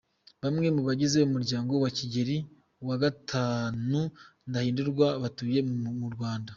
Bamwe mu bagize umuryango wa Kigeli V Ndahindurwa batuye mu Rwanda.